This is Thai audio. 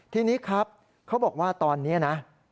ทีนี้ครับเขาบอกว่าตอนนี้นะ